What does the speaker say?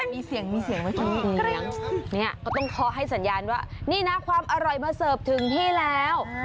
มีเสียงเขาต้องคอให้สัญญาณว่านี่นะความอร่อยมาเสิร์ฟถึงที่แล้ว